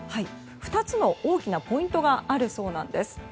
２つの大きなポイントがあるそうなんです。